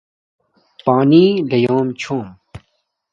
پانی لُیم چھوم